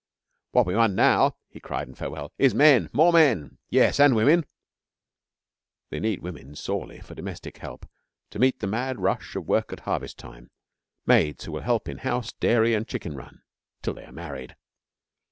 'What we want now,' he cried in farewell, 'is men more men. Yes, and women.' They need women sorely for domestic help, to meet the mad rush of work at harvest time maids who will help in house, dairy, and chicken run till they are married.